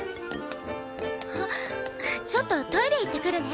あっちょっとトイレ行ってくるね。